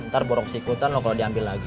ntar borok kesikutan lo kalo diambil lagi